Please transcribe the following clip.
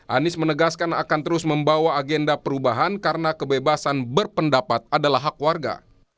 anies menegaskan akan terus membawa agenda perubahan karena kebebasan berpendapat adalah hak warga